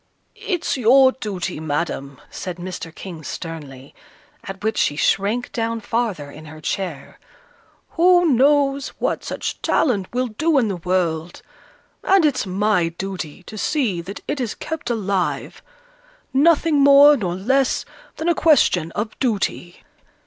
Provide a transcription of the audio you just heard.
"It's your duty, Madam," said Mr. King, sternly, at which she shrank down farther in her chair. "Who knows what such talent will do in the world? and it's my duty to see that it is kept alive, nothing more nor less than a question of duty."